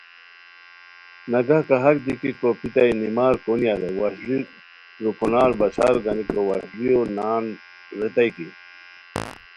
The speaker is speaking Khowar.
نگہہ کاہاک دی کی کروپھیتائے نیمار کونیہ رے وشلی روپھونار بشار گانیکو وشلیو نان ریتائے کی